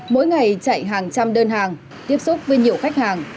mỗi ngày chạy hàng trăm đơn hàng tiếp xúc với nhiều khách hàng